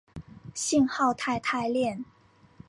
信号肽肽链。